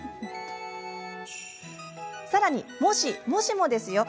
さらにもし、もしもですよ？